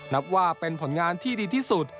นับว่าเป็นผลงานที่ดีที่สุด